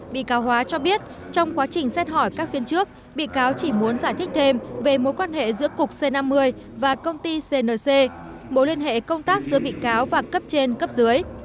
bị cáo hóa cho biết trong quá trình xét hỏi các phiên trước bị cáo chỉ muốn giải thích thêm về mối quan hệ giữa cục c năm mươi và công ty cnc mối liên hệ công tác giữa bị cáo và cấp trên cấp dưới